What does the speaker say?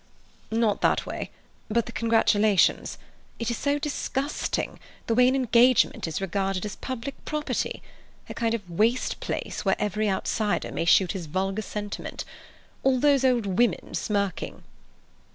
"Not that, but the congratulations. It is so disgusting, the way an engagement is regarded as public property—a kind of waste place where every outsider may shoot his vulgar sentiment. All those old women smirking!"